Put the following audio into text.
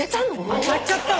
当たっちゃったわ。